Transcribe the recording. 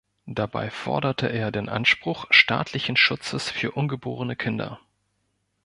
Dabei forderte er den Anspruch staatlichen Schutzes für ungeborene Kinder.